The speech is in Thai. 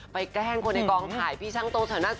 ไปแกล้งคนในกองถ่ายพี่ช่างโตสาวหน้า